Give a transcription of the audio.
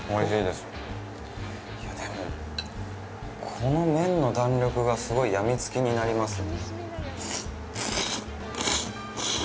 でも、この麺の弾力がすごい病みつきになります。